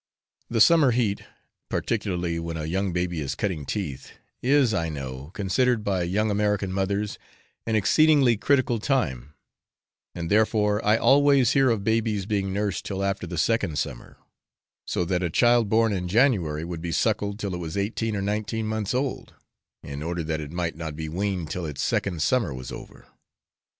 The summer heat, particularly when a young baby is cutting teeth, is, I know, considered by young American mothers an exceedingly critical time, and therefore I always hear of babies being nursed till after the second summer; so that a child born in January would be suckled till it was eighteen or nineteen months old, in order that it might not be weaned till its second summer was over.